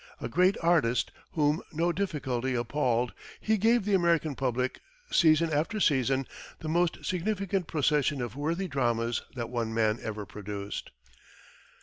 A great artist, whom no difficulty appalled, he gave the American public, season after season, the most significant procession of worthy dramas that one man ever produced.